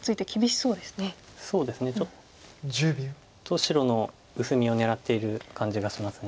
そうですねちょっと白の薄みを狙っている感じがします。